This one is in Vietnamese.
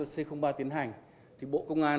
c ba tiến hành thì bộ công an